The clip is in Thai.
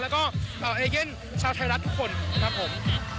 แล้วก็เอเย่นชาวไทยรัฐทุกคนครับผม